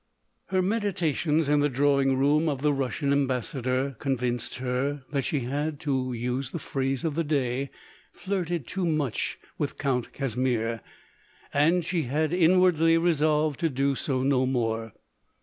Her meditations in the drawing room of the Russian Ambassador, convinced her that she had, to use the phrase of the day, flirted too much with Count Casimir, and she had in wardly resolved to do so no more.